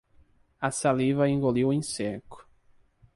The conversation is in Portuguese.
A saliva engoliu em seco.